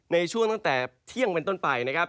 ในช่วงตั้งแต่เที่ยงเป็นต้นไปนะครับ